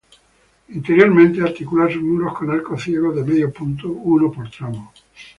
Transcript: Interiormente articula sus muros con arcos ciegos de medio punto, uno por tramo.